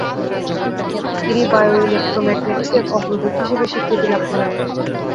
তিনি বায়োইলেক্ট্রোম্যাগনেটিকের অগ্রদূত হিসেবে স্বীকৃতি লাভ করেন।